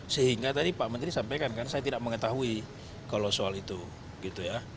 sehingga tadi pak menteri sampaikan karena saya tidak mengetahui kalau soal itu gitu ya